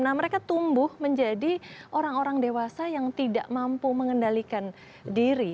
nah mereka tumbuh menjadi orang orang dewasa yang tidak mampu mengendalikan diri